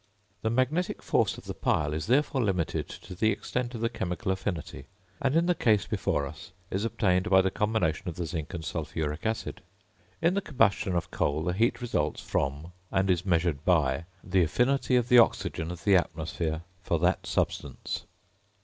The magnetic force of the pile is therefore limited to the extent of the chemical affinity, and in the case before us is obtained by the combination of the zinc and sulphuric acid. In the combustion of coal, the heat results from, and is measured by, the affinity of the oxygen of the atmosphere for that substance.